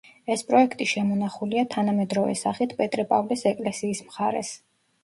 ეს პროექტი შემონახულია თანამედროვე სახით პეტრე-პავლეს ეკლესიის მხარეს.